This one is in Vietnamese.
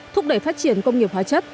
thúc đẩy phát triển công nghiệp hóa chất